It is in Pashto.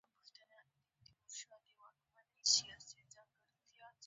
ویل یې په موټر چلونه کې ډېر تکړه یم.